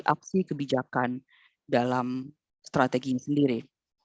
aksi kebijakan dalam strateginya sendiri